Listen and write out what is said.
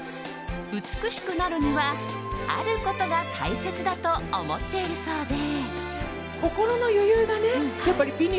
美しくなるには、あることが大切だと思っているそうで。